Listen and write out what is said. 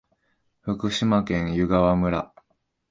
福島県湯川村